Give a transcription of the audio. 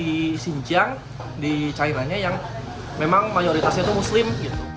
di xinjiang di chinanya yang memang mayoritasnya itu muslim